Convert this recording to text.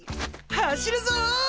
走るぞ！